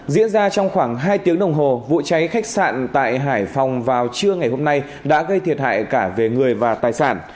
diễn ra trong khoảng hai tiếng đồng hồ vụ cháy khách sạn tại hải phòng vào trưa ngày hôm nay đã gây thiệt hại cả về người và tài sản